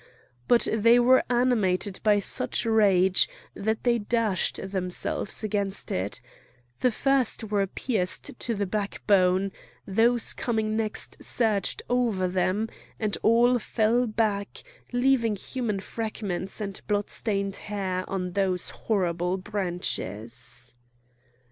But they were animated by such rage that they dashed themselves against it. The first were pierced to the backbone, those coming next surged over them, and all fell back, leaving human fragments and bloodstained hair on those horrible branches.